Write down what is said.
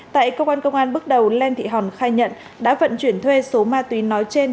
tại công an công an bước đầu len thị hòn khai nhận đã vận chuyển thuê số ma túy nói trên